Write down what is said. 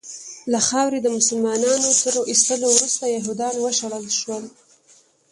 له خاورې د مسلنانو تر ایستلو وروسته یهودیان وشړل شول.